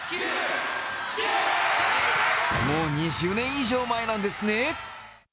もう２０年以上前なんですね。